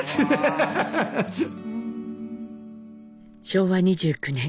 昭和２９年。